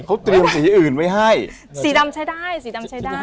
เขาเตรียมสีอื่นไว้ให้สีดำใช้ได้สีดำใช้ได้